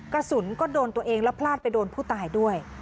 กระสุนก็โดนตัวเองแล้วพลาดไปโดนผู้ตายด้วย